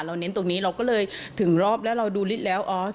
เน้นตรงนี้เราก็เลยถึงรอบแล้วเราดูฤทธิ์แล้วอ๋อ